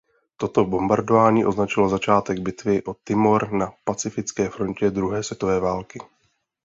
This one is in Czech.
Toto bombardování označilo začátek bitvy o Timor na pacifické frontě druhé světové války.